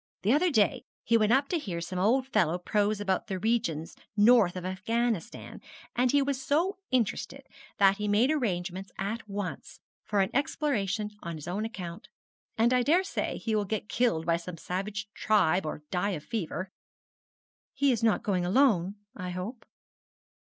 The other day he went up to hear some old fellow prose about the regions north of Afghanistan, and he was so interested that he made arrangements at once for an exploration on his own account. And I daresay he will get killed by some savage tribe, or die of fever.' 'He is not going alone, I hope?'